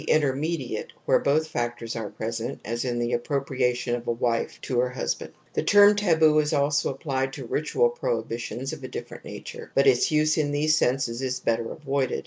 intermediate, where both factors are present, as in the appropriation of a wife to her husband. The term taboo is also applied to ritual prohibi tions of a different nature ; but its use in these senses is better avoided.